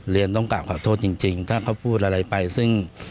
ต้องกลับขอโทษจริงถ้าเขาพูดอะไรไปซึ่ง